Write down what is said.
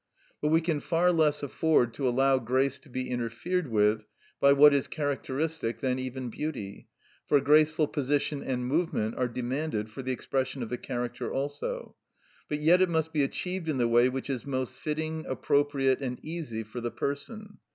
But we can far less afford to allow grace to be interfered with by what is characteristic than even beauty, for graceful position and movement are demanded for the expression of the character also; but yet it must be achieved in the way which is most fitting, appropriate, and easy for the person.